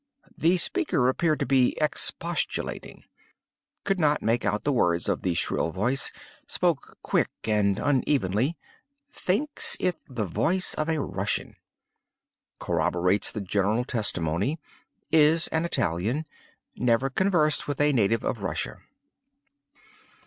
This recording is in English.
The speaker appeared to be expostulating. Could not make out the words of the shrill voice. Spoke quick and unevenly. Thinks it the voice of a Russian. Corroborates the general testimony. Is an Italian. Never conversed with a native of Russia.